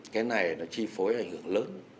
cái này nó chi phối ảnh hưởng lớn